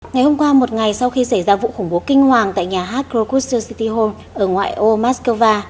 ngày hôm qua một ngày sau khi xảy ra vụ khủng bố kinh hoàng tại nhà harkovskoye city hall ở ngoài ô moskova